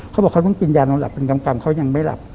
เขาบอกว่าเขาต้องกินยานวงหลับเป็นกรรมกรรมเขายังไม่หลับ